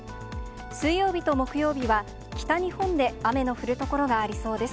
水曜日と木曜日は、北日本で雨の降る所がありそうです。